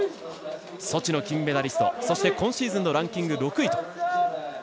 ソチの金メダリストそして今シーズンのランキング６位と。